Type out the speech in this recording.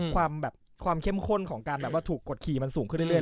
ความแบบความเข้มข้นของการแบบว่าถูกกดขี่มันสูงขึ้นเรื่อย